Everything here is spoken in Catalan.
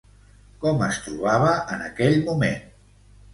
Com es trobava en aquell moment?